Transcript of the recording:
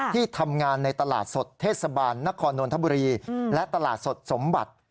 ที่ทำงานในตลาดสดเทศบาลนครนนทบุรีและตลาดสดสมบัติ